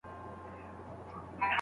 خپل لارښود په پوره دقت او پام سره وټاکئ.